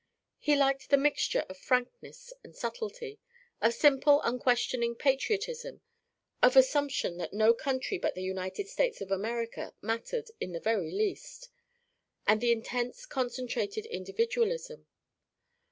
He liked the mixture of frankness and subtlety, of simple unquestioning patriotism of assumption that no country but the United States of America mattered in the very least and the intense concentrated individualism.